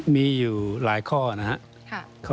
มีอยู่หลายข้อนะครับ